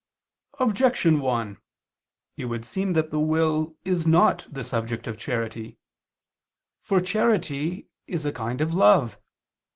Objection 1: It would seem that the will is not the subject of charity. For charity is a kind of love.